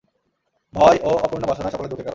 ভয় ও অপূর্ণ বাসনাই সকল দুঃখের কারণ।